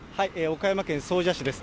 岡山県総社市です。